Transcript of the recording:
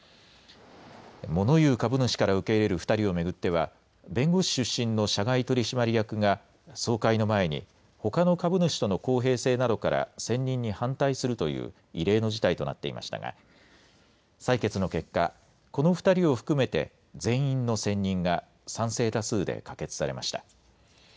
モノ言う株主から受け入れる２人を巡っては弁護士出身の社外取締役が総会の前にほかの株主との公平性などから選任に反対するという異例の事態となっていましたが採決の結果、この２人を含めて全員の選任が賛成多数で可決されました。